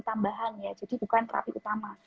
tambahan ya jadi bukan terapi utama